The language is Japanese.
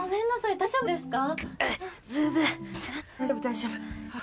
大丈夫大丈夫はぁ。